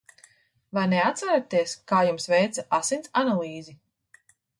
Vai neatceraties, kā jums veica asins analīzi?